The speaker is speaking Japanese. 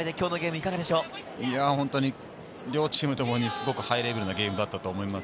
両チームともにすごくハイレベルなゲームだったと思います。